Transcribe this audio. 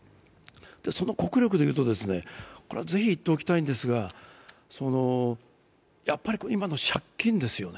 その国力で言うと、ぜひ言っておきたいんですが、やっぱり今の借金ですよね。